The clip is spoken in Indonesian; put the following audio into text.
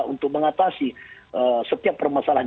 untuk mengatasi setiap permasalahan